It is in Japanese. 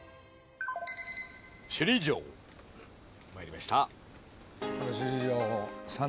首里城参りました。